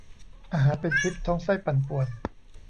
อาหารเป็นพิษ ท้องไส้ปั่นป่วน